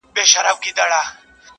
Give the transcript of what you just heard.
دا سودا مي ومنه که ښه کوې,